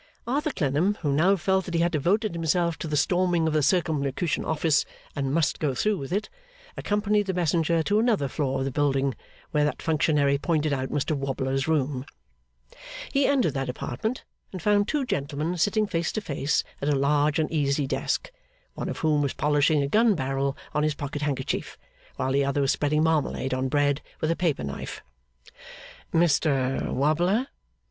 Arthur Clennam, who now felt that he had devoted himself to the storming of the Circumlocution Office, and must go through with it, accompanied the messenger to another floor of the building, where that functionary pointed out Mr Wobbler's room. He entered that apartment, and found two gentlemen sitting face to face at a large and easy desk, one of whom was polishing a gun barrel on his pocket handkerchief, while the other was spreading marmalade on bread with a paper knife. 'Mr Wobbler?